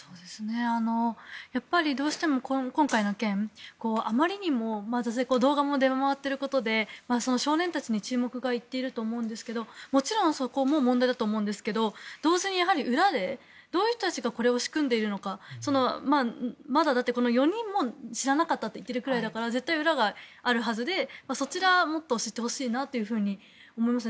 やっぱり、どうしても今回の件、あまりにも動画も出回っていることで少年たちに注目がいっていると思うんですけどもちろんそこも問題だと思いますが同時に裏で、どういう人たちがこれを仕組んでいるのかまだ、４人も知らなかったって言ってるぐらいだから絶対、裏があるはずでそちらをもっと知ってほしいと思います。